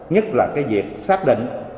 nhất là cái việc xác định